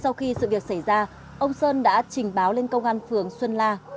sau khi sự việc xảy ra ông sơn đã trình báo lên công an phường xuân la